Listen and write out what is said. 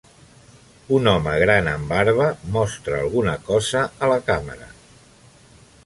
Un home gran amb barba mostra alguna cosa a la càmera.